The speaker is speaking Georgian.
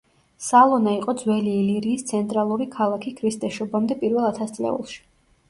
სალონა იყო ძველი ილირიის ცენტრალური ქალაქი ქრისტეს შობამდე პირველ ათასწლეულში.